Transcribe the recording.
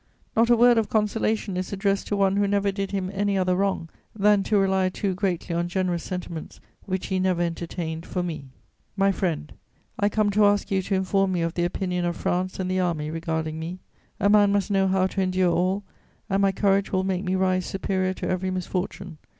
Not a word of consolation is addressed to one who never did him any other wrong than to rely too greatly on generous sentiments which he never entertained for me. "My friend, I come to ask you to inform me of the opinion of France and the army regarding me. A man must know how to endure all and my courage will make me rise superior to every misfortune.